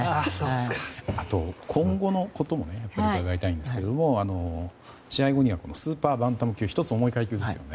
あと、今後のことも伺いたいんですけど試合後には、スーパーバンタム級１つ重い階級ですよね。